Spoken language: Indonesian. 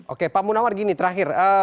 oke pak munawar gini terakhir